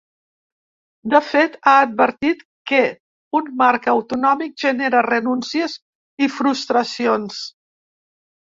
De fet, ha advertit que un marc autonòmic genera renúncies i frustracions.